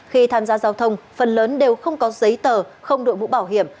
khi tham gia giao thông phần lớn đều không có giấy tờ không đội mũ bảo hiểm